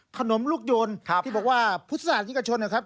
ขนมลูกยนต์ครับที่บอกว่าพุทธศาสตร์นิกชนนะครับ